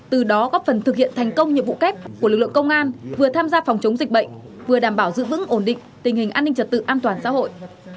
tình hình an ninh trật tự an toàn xã hội